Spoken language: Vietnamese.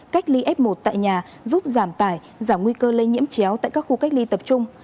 cách ly f một tại nhà giúp giảm tải giảm nguy cơ lây nhiễm chéo tại các khu cách ly tập trung